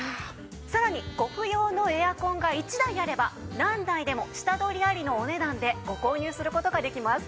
さらにご不要のエアコンが１台あれば何台でも下取りありのお値段でご購入する事ができます。